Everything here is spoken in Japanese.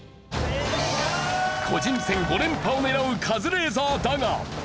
個人戦５連覇を狙うカズレーザーだが。